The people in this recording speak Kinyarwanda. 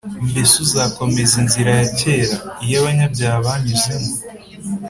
“mbese uzakomeza inzira ya kera, iyo abanyabyaha banyuzemo’